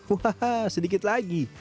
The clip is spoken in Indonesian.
wahaha sedikit lagi